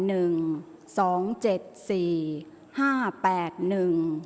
ออกรางวัลที่๖เลขที่๗